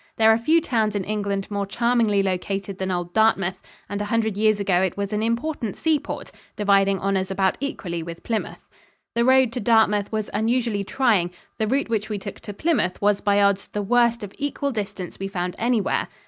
There are few towns in England more charmingly located than old Dartmouth, and a hundred years ago it was an important seaport, dividing honors about equally with Plymouth. The road to Dartmouth was unusually trying; the route which we took to Plymouth was by odds the worst of equal distance we found anywhere.